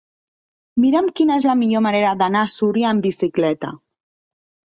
Mira'm quina és la millor manera d'anar a Súria amb bicicleta.